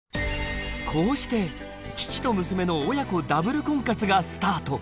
こうして父と娘の親子ダブル婚活がスタート